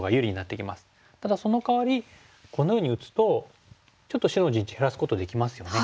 ただそのかわりこのように打つとちょっと白の陣地減らすことできますよね。